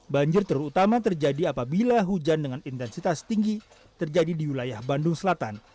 banjir terutama terjadi apabila hujan dengan intensitas tinggi terjadi di wilayah bandung selatan